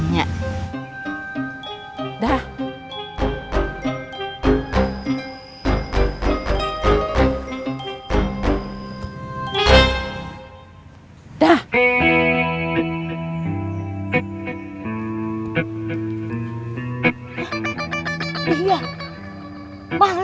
nyiak nostotrik pusing atuh organ